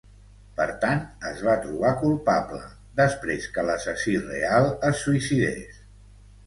Per tant, es va trobar culpable, després que l"assassí real es suïcidés.